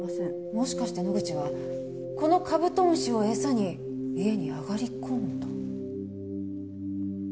もしかして野口はこのカブトムシを餌に家に上がり込んだ？